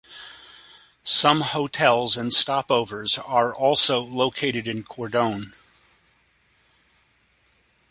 Some hotels and "stop overs" are also located in Cordon.